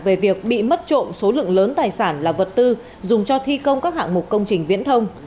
về việc bị mất trộm số lượng lớn tài sản là vật tư dùng cho thi công các hạng mục công trình viễn thông